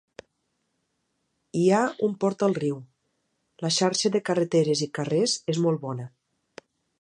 Hi ha un port al riu, la xarxa de carreteres i carrers és molt bona.